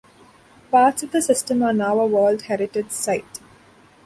Parts of the system are now a World Heritage Site.